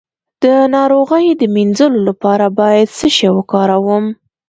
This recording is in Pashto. د ناروغۍ د مینځلو لپاره باید څه شی وکاروم؟